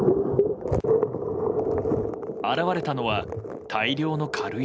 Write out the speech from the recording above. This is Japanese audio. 現れたのは大量の軽石。